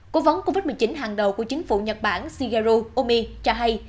cố vấn covid một mươi chín hàng đầu của chính phủ nhật bản shigeru omi cho hay